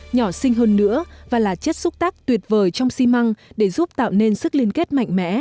nhỏ sinh hơn nữa và là chất xúc tác tuyệt vời trong xi măng để giúp tạo nên sức liên kết mạnh mẽ